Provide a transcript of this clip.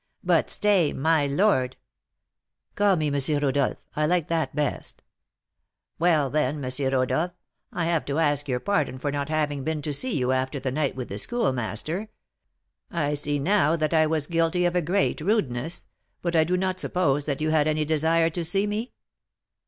But stay, my lord " "Call me M. Rodolph; I like that best." "Well, then, M. Rodolph, I have to ask your pardon for not having been to see you after the night with the Schoolmaster. I see now that I was guilty of a great rudeness; but I do not suppose that you had any desire to see me?"